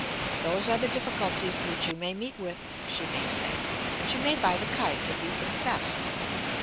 "Those are the difficulties which you may meet with," she may say, "but you may buy the kite if you think best."